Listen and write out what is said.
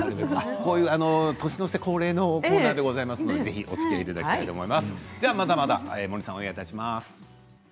こういう年の瀬恒例のコーナーでございますのでぜひおつきあいいただきたいと思います。